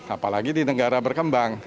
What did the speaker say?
apalagi di negara berkembang